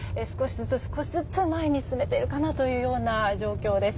少しずつ前に進めているかなというような状況です。